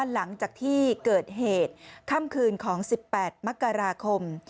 หลังจากที่เกิดเหตุค่ำคืนของ๑๘มกราคม